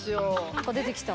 何か出てきた。